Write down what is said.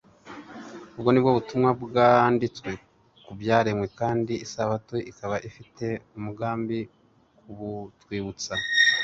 Ubwo nibwo butumwa bwanditswe ku byaremwe kandi isabato ikaba ifite umugambi kubutwibutsa.